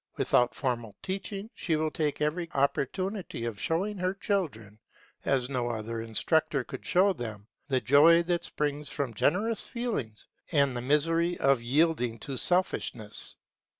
Without formal teaching, she will take every opportunity of showing her children, as no other instructor could show them, the joy that springs from generous feelings, and the misery of yielding to selfishness.